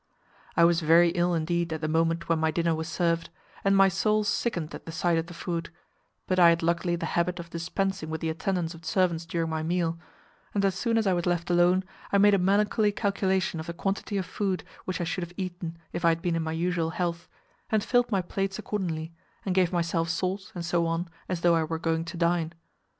I was very ill indeed at the moment when my dinner was served, and my soul sickened at the sight of the food; but I had luckily the habit of dispensing with the attendance of servants during my meal, and as soon as I was left alone I made a melancholy calculation of the quantity of food which I should have eaten if I had been in my usual health, and filled my plates accordingly, and gave myself salt, and so on, as though I were going to dine.